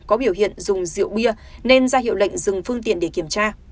có biểu hiện dùng rượu bia nên ra hiệu lệnh dừng phương tiện để kiểm tra